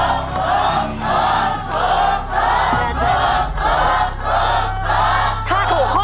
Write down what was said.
ถูกถูกถูกถูกถูกถูก